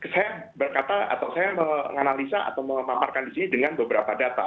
saya berkata atau saya menganalisa atau memaparkan di sini dengan beberapa data